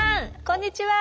こんにちは。